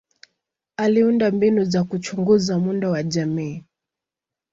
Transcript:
Aliunda mbinu za kuchunguza muundo wa jamii.